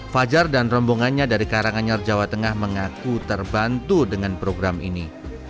fajar dan rombongannya dari karanganyar jawa tengah mengaku terbantu dengan program ini